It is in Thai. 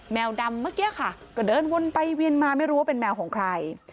แมวดำเมื่อกี้ค่ะก็เดินวนไปเวียนมาไม่รู้ว่าเป็นแมวของใคร